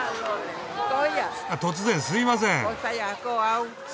突然すいません。